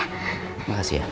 terima kasih ya